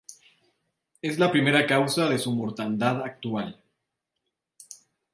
Es la primera causa de su mortandad actual.